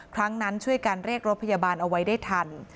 ครั้งนั้นช่วยกันเรียกรถพยาบาลเอาไว้ได้ทัน